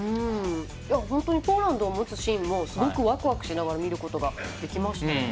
本当にポーランドも打つシーンもすごくワクワクしながら見ることができましたね。